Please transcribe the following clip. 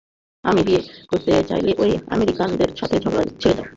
আমায় বিয়ে করতে চাইলে, ঐ আমেরিকানদের সাথে ঝগড়া ছেড়ে দাও।